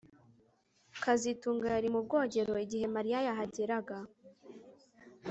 kazitunga yari mu bwogero igihe Mariya yahageraga